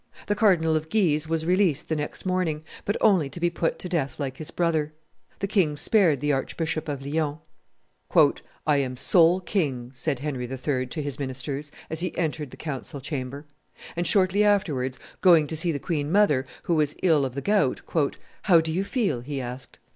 The Cardinal of Guise was released the next morning, but only to be put to death like his brother. The king spared the Archbishop of Lyons. "I am sole king," said Henry III. to his ministers, as he entered the council chamber; and shortly afterwards, going to see the queen mother, who was ill of the gout, "How do you feel?" he asked.